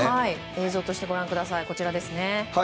映像と一緒にご覧ください。